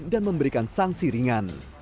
dan memberikan sanksi ringan